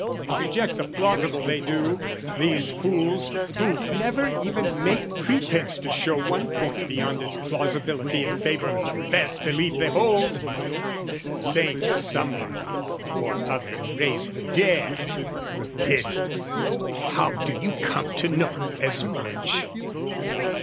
Reject the plausible they do, these fools, Who never even make pretence to show One point beyond its plausibility In favour of the best belief they hold! "Saint Somebody or other raised the dead:" Did he? How do you come to know as much?